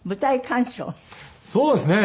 そうですね。